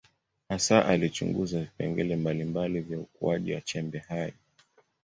Hasa alichunguza vipengele mbalimbali vya ukuaji wa chembe hai.